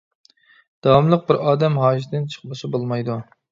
داۋاملىق بىر ئادەم ھاجىتىدىن چىقمىسا بولمايدۇ.